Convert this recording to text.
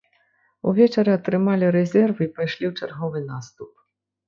Увечары атрымалі рэзервы і пайшлі ў чарговы наступ.